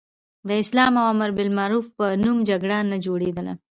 د اسلام او امر بالمعروف په نوم جګړه نه جوړېدله.